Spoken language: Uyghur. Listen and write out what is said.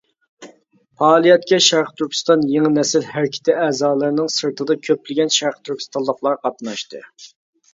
پائالىيەتكە شەرقىي تۈركىستان يېڭى نەسىل ھەرىكىتى ئەزالىرىنىڭ سىرتىدا كۆپلىگەن شەرقىي تۈركىستانلىقلار قاتناشتى.